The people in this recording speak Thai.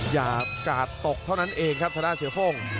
อย่ากาดตกเท่านั้นเองครับทางด้านเสือโฟ่ง